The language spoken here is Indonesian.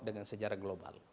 dengan sejarah global